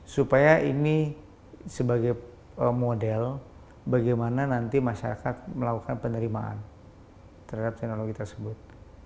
supaya ini sebagai model bagaimana nanti masyarakat melakukan penerimaan terhadap teknologi tersebut